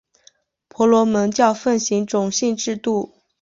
婆罗门教奉行种姓制度。